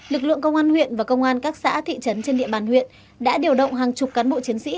lực lượng công an huyện và công an các xã thị trấn trên địa bàn huyện đã điều động hàng chục cán bộ chiến sĩ